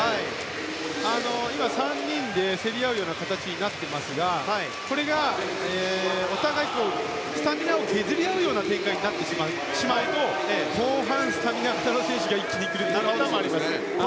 今、３人で競り合うような形になってますがこれがお互い、スタミナを削り合う展開になってしまうと後半、スタミナ型の選手が一気に来るパターンも考えられます。